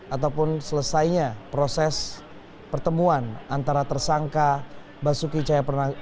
ataupun selesainya proses pertemuan antara tersangka basuki cahaya pernahkut